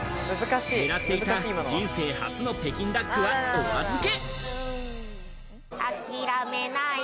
狙っていた人生初の北京ダックはお預け。